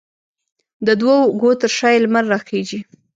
د دوو اوږو ترشا یې، لمر راخیژې